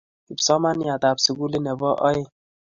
kipsomananiatab sukulit ne bo oeng